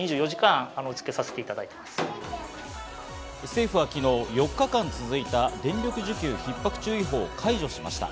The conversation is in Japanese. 政府は昨日、４日間続いた電力需給ひっ迫注意報を解除しました。